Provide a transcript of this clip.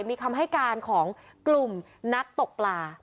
มีคำให้การของกลุ่มนักตกปลา